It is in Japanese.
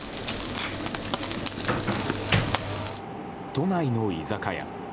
都内の居酒屋。